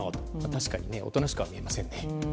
確かにおとなしくは見えませんね。